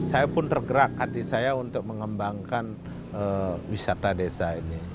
jadi saya pun tergerak hati saya untuk mengembangkan wisata desa ini